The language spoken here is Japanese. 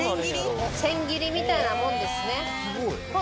千切りみたいなもんですね。